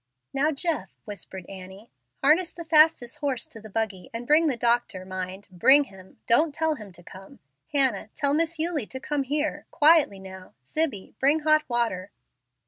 "Now, Jeff," whispered Annie, "harness the fastest horse to the buggy, and bring the doctor mind, bring him. Don't tell him to come. Hannah, tell Miss Eulie to come here quietly now. Zibbie, bring hot water."